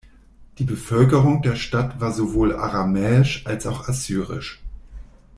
Die Bevölkerung der Stadt war sowohl aramäisch als auch assyrisch.